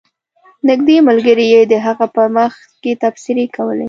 نږدې ملګرو یې د هغه په مخ کې تبصرې کولې.